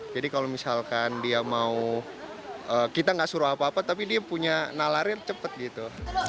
jadi kalau misalkan dia mau kita gak suruh apa apa tapi dia punya nalarir cepat gitu